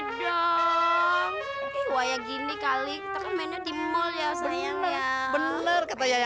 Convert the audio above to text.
dong iya gini kali terkomen di mall ya sayang ya bener kata ya ya